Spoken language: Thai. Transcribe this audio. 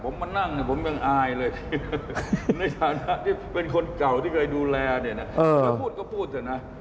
ในฐานะที่เป็นคนเก่าที่เคยดูแลเนี่ยนะถ้าพูดก็พูดเถอะนะ